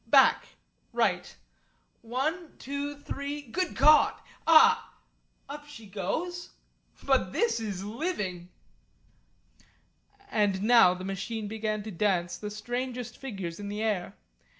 "Back right. One two three good God! Ah! Up she goes! But this is living!" And now the machine began to dance the strangest figures in the air.